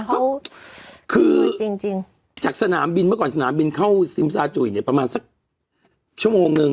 ก็คือจริงจากสนามบินเมื่อก่อนสนามบินเข้าซิมซาจุยเนี่ยประมาณสักชั่วโมงนึง